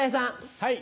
はい。